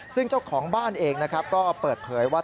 ซึ่งเจ้าของบ้านเองนะครับก็เปิดเผยว่า